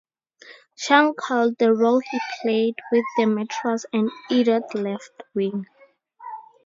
Chung called the role he played with the Metros an "idiot left wing".